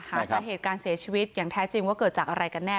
หาสาเหตุการเสียชีวิตอย่างแท้จริงว่าเกิดจากอะไรกันแน่